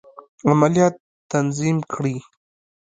عملیات تنظیم کړي.